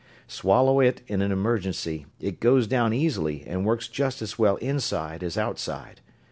Swallow it in an emergency it goes down easily and works just as well inside as outside.